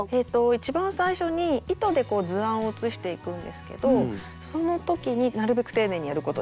一番最初に糸で図案を写していくんですけどその時になるべく丁寧にやることです。